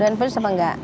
doen pedas apa enggak